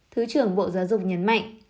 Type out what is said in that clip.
thứ trưởng bộ giáo dục nhấn mạnh